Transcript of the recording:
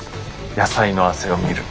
野菜の汗を見る。